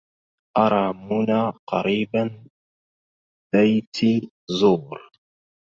أرى منا قريبا بيت زور